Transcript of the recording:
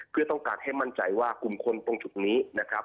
เพื่อต้องการให้มั่นใจว่ากลุ่มคนตรงจุดนี้นะครับ